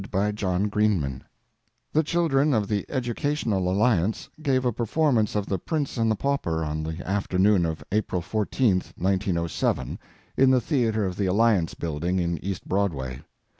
EDUCATING THEATRE GOERS The children of the Educational Alliance gave a performance of "The Prince and the Pauper" on the afternoon of April 14, 1907, in the theatre of the Alliance Building in East Broadway.